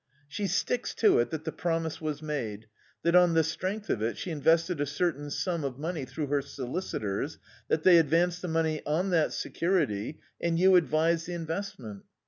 "She sticks to it that the promise was made, that on the strength of it she invested a certain sum of money through her solicitors, that they advanced the money on that security and you advised the investment."